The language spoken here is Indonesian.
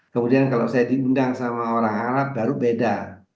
kemudian kalau saya diundang sama orang arab baru beda